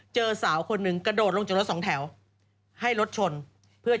เจอสาวคนนึงกระโดดลงจากก้องด้าน๒แถว